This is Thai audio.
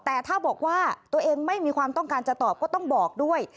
แต่ถ้าบอกว่าตัวเองไม่มีความต้องการจะตอบก็ต้องบอกด้วย